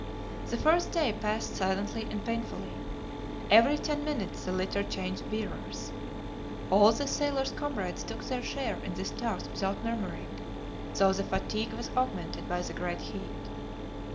The first day passed silently and painfully. Every ten minutes the litter changed bearers. All the sailor's comrades took their share in this task without murmuring, though the fatigue was augmented by the great heat.